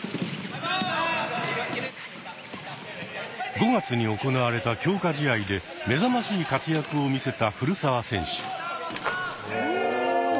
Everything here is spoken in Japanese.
５月に行われた強化試合で目覚ましい活躍を見せた古澤選手。